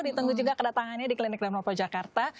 ditunggu juga kedatangannya di klinik lemopa jakarta